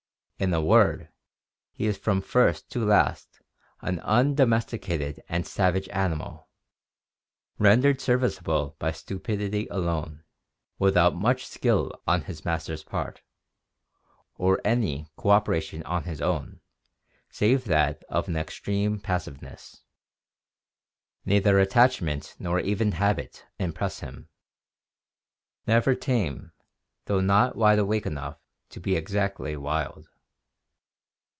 In a word, he is from first to last an undomesticated and savage animal, rendered serviceable by stupidity alone, without much skill on his master's part, or any cooperation on his own save that of an extreme passiveness. Neither attachment nor even habit impress him; never tame, though not wide awake enough to be exactly wild."